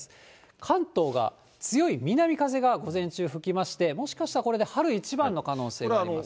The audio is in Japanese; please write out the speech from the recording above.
関東が強い南風が午前中、吹きまして、もしかしたらこれ、春一番の可能性があります。